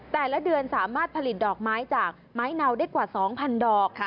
แต่ละเดือนสามารถผลิตดอกไม้จากไม้เนาได้กว่า๒๐๐ดอก